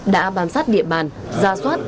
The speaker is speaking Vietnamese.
đã bám sát địa bàn ra soát